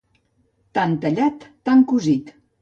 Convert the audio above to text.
Tant tallat, tant cosit.